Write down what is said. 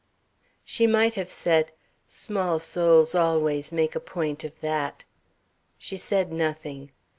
She might have said: "Small souls always make a point of that." She said nothing.